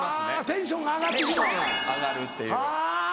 テンションが上がるっていう。